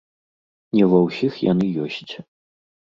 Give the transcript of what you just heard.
Не ва ўсіх яны ёсць.